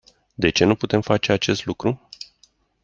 De ce nu putem face acest lucru?